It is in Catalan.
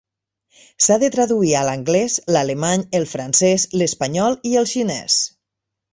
S'ha de traduir a l'anglès, l'alemany, el francès, l'espanyol i el xinès.